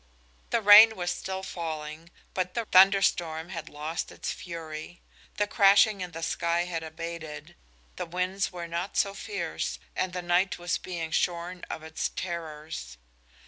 The rain was still falling, but the thunder storm had lost its fury. The crashing in the sky had abated, the winds were not so fierce, the night was being shorn of its terrors.